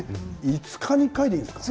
５日に１回でいいんですか。